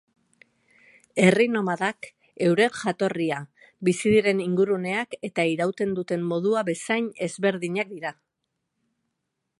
Herri nomadak, euren jatorria, bizi diren inguruneak eta irauten duten modua bezain ezberdinak dira.